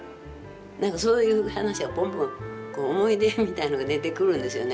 何かそういう話がポンポン思い出みたいのが出てくるんですよね。